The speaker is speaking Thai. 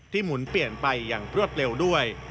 หมุนเปลี่ยนไปอย่างรวดเร็วด้วย